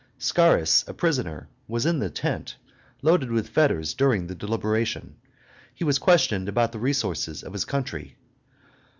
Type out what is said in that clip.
Scaurus, a prisoner, was in the tent, loaded with fetters, during the deliberation. He was questioned about the resources of his country.